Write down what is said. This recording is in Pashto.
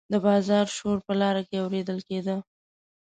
د بازار شور په لاره کې اوریدل کیده.